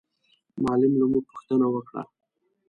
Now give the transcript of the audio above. معلم له موږ پوښتنه وکړه.